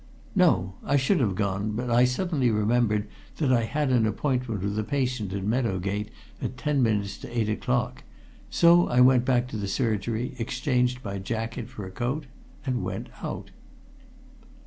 "No. I should have gone, but I suddenly remembered that I had an appointment with a patient in Meadow Gate at ten minutes to eight o'clock. So I went back to the surgery, exchanged my jacket for a coat and went out."